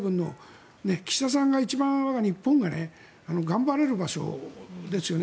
岸田さんが一番、日本が頑張れる場所ですよね。